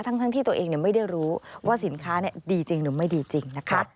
ทั้งที่ตัวเองไม่ได้รู้ว่าสินค้าดีจริงหรือไม่ดีจริงนะคะ